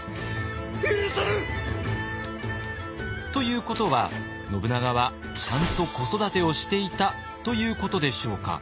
ということは信長はちゃんと子育てをしていたということでしょうか。